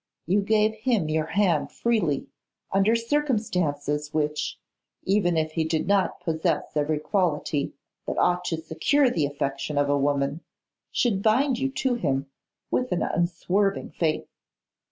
You gave him your hand freely, under circumstances which, even if he did not possess every quality that ought to secure the affection of a woman, should bind you to him with an unswerving faith.